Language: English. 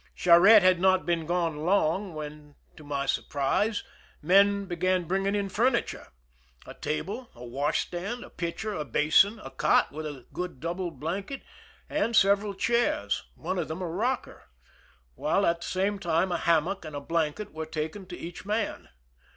Charette had not been gone long when, to my surprise, men began bringing in furniture,— a table, a wash stand, a pitcher, a basin, a cot with a good double blanket, and several chairs (one of them a rocker),— while at the same time a hammock and a blanket were taken to each man.